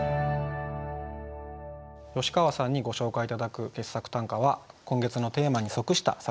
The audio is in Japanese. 吉川さんにご紹介頂く傑作短歌は今月のテーマに即した作品です。